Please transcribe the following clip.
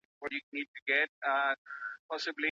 که د لرغونو ځایونو لاري پخې سي، نو سیلانیان نه ستړي کیږي.